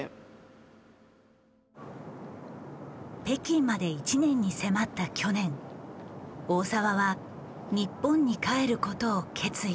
北京まで１年に迫った去年大澤は日本に帰ることを決意する。